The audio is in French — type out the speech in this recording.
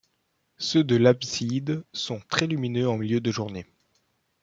Ceux de l’abside sont très lumineux en milieu de journée.